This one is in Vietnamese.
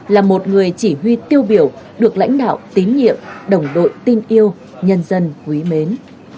là một người chỉ huy tiêu biểu được lãnh đạo tín nhiệm đồng đội tin yêu nhân dân quý mến